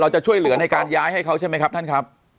จะช่วยเหลือในการย้ายให้เขาใช่ไหมครับท่านครับ